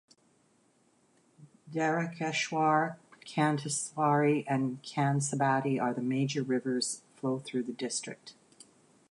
Darakeshwar, Gandheswari and Kangsabati are the major rivers flow through the district.